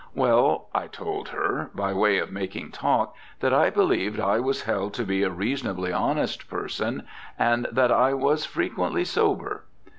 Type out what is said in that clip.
Well, I told her, by way of making talk, that I believed I was held to be a reasonably honest person, and that I was frequently sober.